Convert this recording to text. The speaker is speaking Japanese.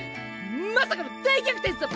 まさかの大逆転さ。